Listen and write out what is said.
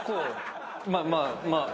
まあまあまあ。